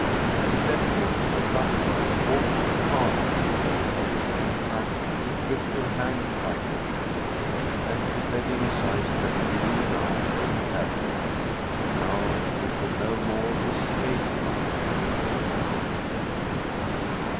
He said this abruptly, almost harshly; at the same time he gripped her hand tightly. And she read in his eyes that he knew now where he had her. Now she could no more escape from him.